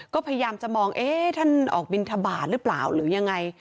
ก็พยายามจะมองเอ๊ะท่านออกบินทบาทหรือเปล่าหรือยังไง